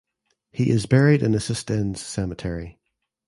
He is buried in Assistens Cemetery.